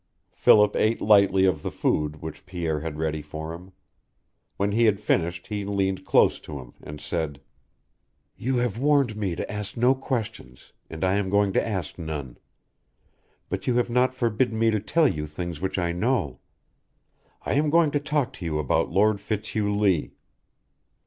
Philip ate lightly of the food which Pierre had ready for him. When he had finished he leaned close to him, and said: "You have warned me to ask no questions, and I am going to ask none. But you have not forbidden me to tell you things which I know. I am going to talk to you about Lord Fitzhugh Lee."